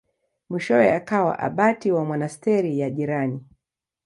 Mwishowe akawa abati wa monasteri ya jirani.